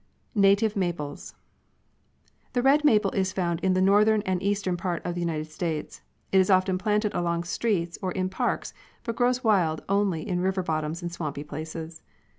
NATIVE MAPLES. The red maple is found in the northern and east ern parts of the United States. It is often planted along streets or in parks, but grows wild only in river bottoms and swampy places.